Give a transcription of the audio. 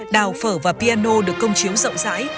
đào phở và piano được công chiếu rộng rãi